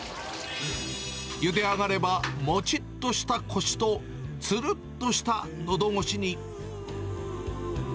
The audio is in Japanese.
ゆで上がれば、もちっとしたこしと、つるっとしたのど越しに。